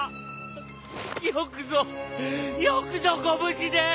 よくぞよくぞご無事で。